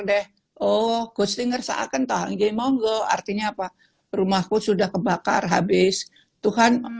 deh oh ghosting ngerasa akan tanggi monggo artinya apa rumahku sudah kebakar habis tuhan